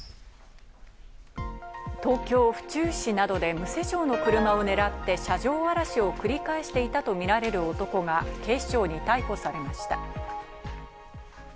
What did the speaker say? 東京・府中市などで無施錠の車を狙って車上荒らしを繰り返していたとみられる男が警視庁に逮捕されました。